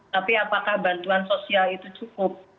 tapi apakah bantuan sosial itu cukup